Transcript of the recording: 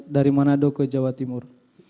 dari manado ke jawa timur